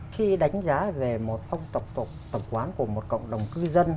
khi đánh giá về một phong tộc tổng quán của một cộng đồng cư dân